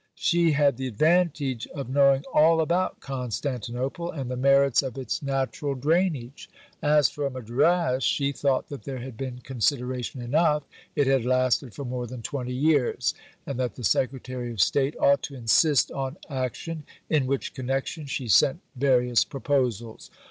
She had the advantage of knowing all about Constantinople, and the merits of its natural drainage. As for Madras, she thought that there had been "consideration" enough (it had lasted for more than 20 years), and that the Secretary of State ought to insist on action, in which connection she sent various proposals.